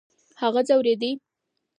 هغه ځورېدی .